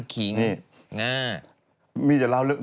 ก็น้ำมันขิง